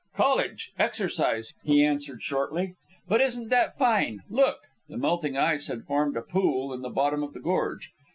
"College exercise," he answered, shortly. "But isn't that fine? Look!" The melting ice had formed a pool in the bottom of the gorge.